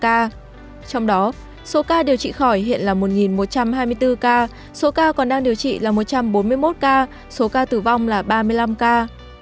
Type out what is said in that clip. trong đó số ca điều trị khỏi hiện là một một trăm hai mươi bốn ca số ca còn đang điều trị là một trăm bốn mươi một ca số ca tử vong là ba mươi năm ca